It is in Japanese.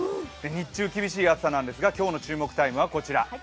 日中厳しい暑さなんですが、今日の注目タイムはこちら。